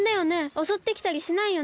おそってきたりしないよね？